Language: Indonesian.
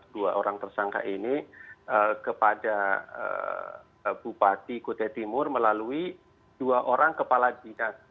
dua orang tersangka ini kepada bupati kutai timur melalui dua orang kepala dinas